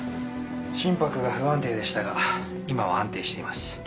心拍が不安定でしたが今は安定しています。